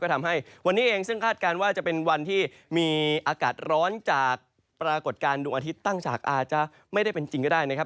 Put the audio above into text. ทำให้วันนี้เองซึ่งคาดการณ์ว่าจะเป็นวันที่มีอากาศร้อนจากปรากฏการณ์ดวงอาทิตย์ตั้งฉากอาจจะไม่ได้เป็นจริงก็ได้นะครับ